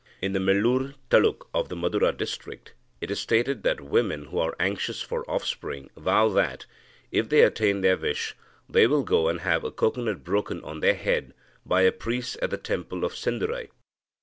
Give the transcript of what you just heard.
In the Melur taluk of the Madura district, it is stated that women who are anxious for offspring vow that, if they attain their wish, they will go and have a cocoanut broken on their head by a priest at the temple of Sendurai.